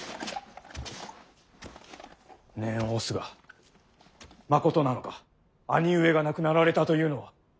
念を押すがまことなのか兄上が亡くなられたというのは。